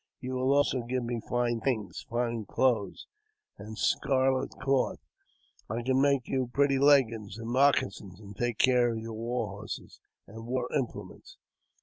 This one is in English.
You will also give me fine things, fine clothes, and scarlet cloth; and I can make you pretty leggings and moccasins, and take care of your war horses and war implements."